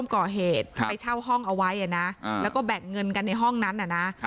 ก่อเหตุไปเช่าห้องเอาไว้นะแล้วก็แบ่งเงินกันในห้องนั้นน่ะนะ